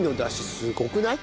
すごくない？